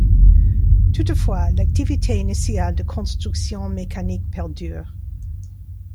Toutefois, l'activité initiale de construction mécanique perdure.